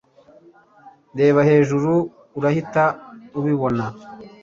reba hejuru urahita ubibona